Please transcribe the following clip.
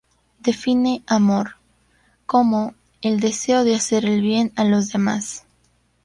Define "Amor" como "el deseo de hacer el bien a los demás".